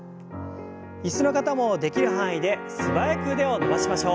椅子の方もできる範囲で素早く腕を伸ばしましょう。